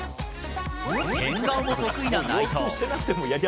変顔も得意な内藤。